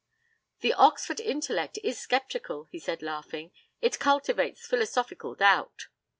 'The Oxford intellect is sceptical,' he said, laughing. 'It cultivates philosophical doubt.'